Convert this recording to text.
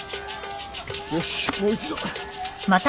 よしもう一度。